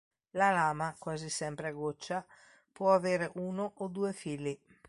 La lama, quasi sempre a goccia, può avere uno o due fili.